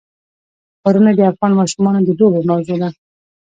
ښارونه د افغان ماشومانو د لوبو موضوع ده.